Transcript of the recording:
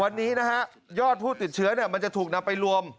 วันนี้นะฮะยอดผู้ติดเชื้อมันจะถูกนำไปรวม